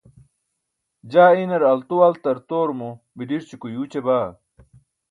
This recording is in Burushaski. jaa inar altoaltartoorumo biḍirćuko yuuća baa